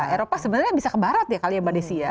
eropa sebenarnya bisa ke barat ya kali ya mbak desi ya